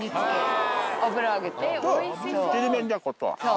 ちりめんじゃこと。